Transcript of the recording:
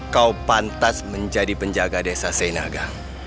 kau pantas menjadi penjaga desa senaga